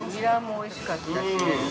◆ニラもおいしかったしね。